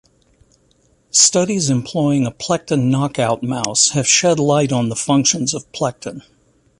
Studies employing a plectin knockout mouse have shed light on the functions of plectin.